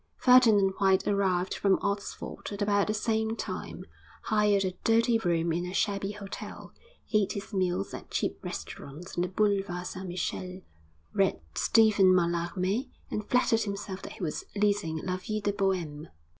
Ferdinand White arrived from Oxford at about the same time, hired a dirty room in a shabby hotel, ate his meals at cheap restaurants in the Boulevard St Michel, read Stephen Mallarmé, and flattered himself that he was leading 'la vie de Bohême.'